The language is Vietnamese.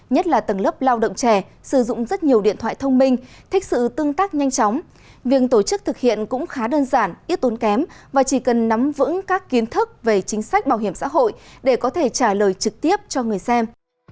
nhất là tầng lớp lao động trẻ sử dụng rất nhiều điện thoại thông minh thích sự tương tác nhanh chóng việc tổ chức thực hiện cũng khá đơn giản ít tốn kém và chỉ cần nắm vững các kiến thức về chính sách bảo hiểm xã hội để có thể trả lời trực tiếp cho người xem